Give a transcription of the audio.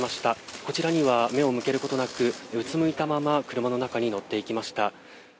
こちらには目を向けることなく、うつむいたまま車に乗っていきました。